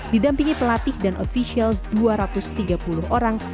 didampingi pelatih dan ofisial dua ratus tiga puluh orang